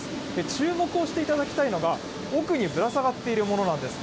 注目をしていただきたいのが、奥にぶら下がっているものなんです。